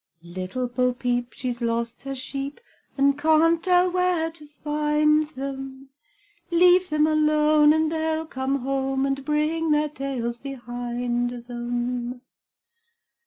Little Bo peep, she lost her sheep, And can't tell where to find them; Leave them alone, and they'll come home, And bring their tails behind them.